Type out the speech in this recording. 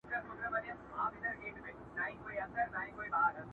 نه هغه غر، نه دامانه سته زه به چیري ځمه!.